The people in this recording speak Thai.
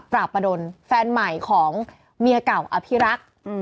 ประดนแฟนใหม่ของเมียเก่าอภิรักษ์